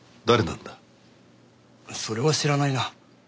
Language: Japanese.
それは知らないな。